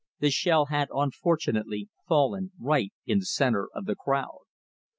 The shell had unfortunately fallen right in the centre of the crowd.